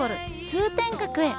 通天閣へ。